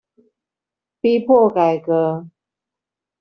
逼迫改革